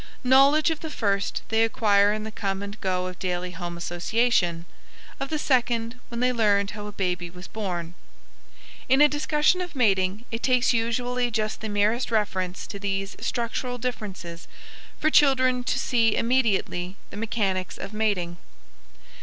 Knowledge of the first they acquired in the come and go of daily home association; of the second, when they learned how a baby was born. In a discussion of mating, it takes usually just the merest reference to these structural differences for children to see immediately the mechanics of mating.